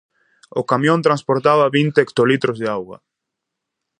O camión transportaba vinte hectolitros de auga.